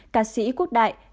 cá sĩ quốc đại